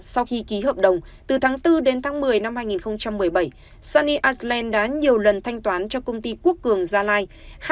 sau khi ký hợp đồng từ tháng bốn đến tháng một mươi năm hai nghìn một mươi bảy sunny iceland đã nhiều lần thanh toán cho công ty quốc cường gia lai